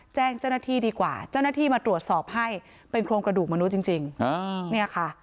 แจ้งเจ้าหน้าที่ดีกว่าเจ้าหน้าที่มาตรวจสอบให้เป็นโครงกระดูกมนุษย์จริงเนี่ยค่ะ